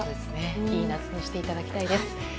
いい夏にしていただきたいです。